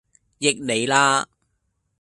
益你啦